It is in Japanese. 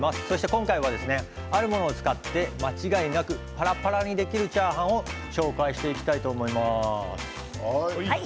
今回はあるものを使って間違いなくパラパラにできるチャーハンをご紹介していきたいと思います。